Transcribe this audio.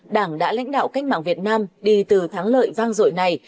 đảng đã lãnh đạo cách mạng việt nam đi từ thắng lợi vang dội này